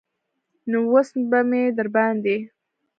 نو اوس به مې درباندې.